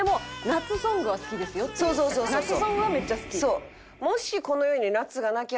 夏ソングはめっちゃ好き。